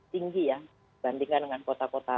tinggi ya dibandingkan dengan kota kota